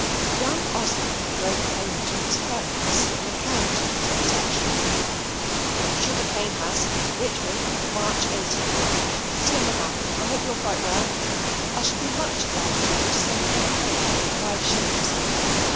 Young Osborne wrote home to his parents an account of the transaction. Sugarcane House, Richmond, March, 18 DEAR MAMA, I hope you are quite well. I should be much obliged to you to send me a cake and five shillings.